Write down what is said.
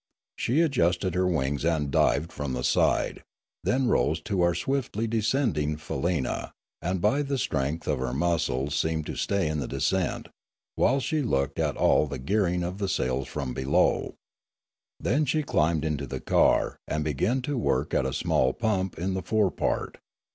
She adjusted her wings and dived from the side, then rose to our swiftly descending faleena, and by the strength of her muscles seemed to stay the descent, while she looked at all the gearing of the sails from below. Then she climbed into the car, and began to work at a small pump in the fore part.